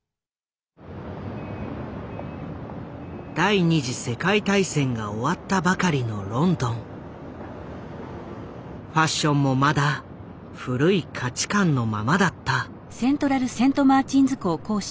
第２次世界大戦が終わったばかりのファッションもまだ古い価値観のままだった。